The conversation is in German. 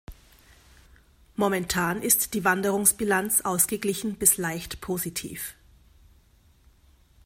Momentan ist die Wanderungsbilanz ausgeglichen bis leicht positiv.